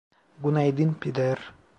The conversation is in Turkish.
Günaydın, Peder.